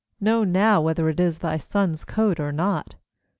Know now whether it is thy son's coat or not.'